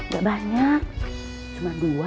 gak banyak cuma dua